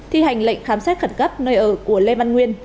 thi hành lệnh khám xét khẩn cấp nơi ở của lê văn nguyên